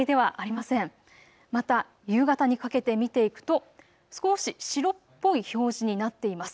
また夕方にかけて見ていくと少し白っぽい表示になっています。